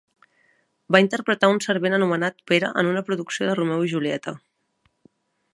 Va interpretar un servent anomenat Pere en una producció de "Romeu i Julieta".